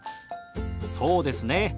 そうですね。